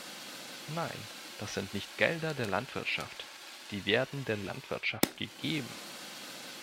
Nein, das sind nicht Gelder der Landwirtschaft, die werden der Landwirtschaft gegeben!